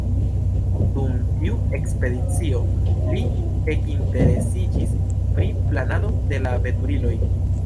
Dum tiu ekspedicio, li ekinteresiĝis pri planado de la veturiloj.